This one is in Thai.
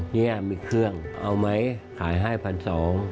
นี่มีเครื่องเอาไหมขายให้๑๒๐๐บาท